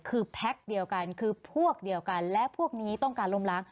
คือพวกเดียวกันและพวกนี้ต้องการลมล้าง